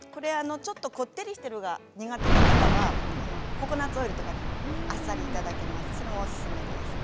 ちょっとこってりしているのが苦手な方はココナツオイルとかでも、あっさりいただけますしそれもおすすめです。